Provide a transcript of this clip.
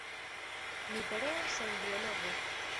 Ni pereos sen biologo!